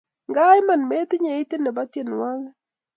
Nga Iman metinye itit nebo tyenwogik